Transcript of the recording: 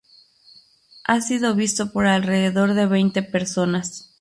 Ha sido visto por alrededor de veinte personas.